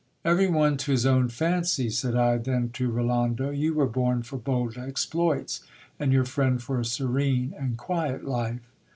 Every one to his own fancy, said I then to Rolando, you were born for bold exploits, and your friend for a serene and quiet life.